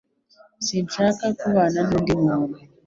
Sinshaka kubana n'undi muntu.